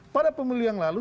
pada pemilu yang lalu